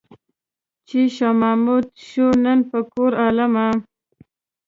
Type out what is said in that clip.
چې شاه محمود شو نن په کور عالمه.